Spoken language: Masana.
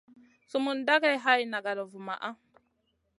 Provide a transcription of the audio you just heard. Sumun dagey hay nagada vumaʼa.